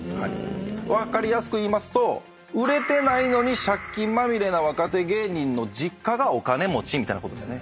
分かりやすく言いますと売れてないのに借金まみれな若手芸人の実家がお金持ちみたいなことですね。